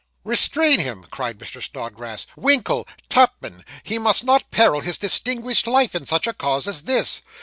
'Restrain him,' cried Mr. Snodgrass; 'Winkle, Tupman he must not peril his distinguished life in such a cause as this.